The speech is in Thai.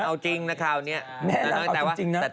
เอาจริงนะคราวนี้แม่นางเอาจริงนะ